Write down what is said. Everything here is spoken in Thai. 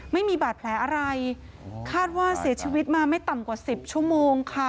ไม่มีบาดแผลอะไรคาดว่าเสียชีวิตมาไม่ต่ำกว่าสิบชั่วโมงค่ะ